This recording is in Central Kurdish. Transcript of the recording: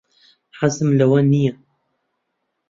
حەزم لەوە نییە.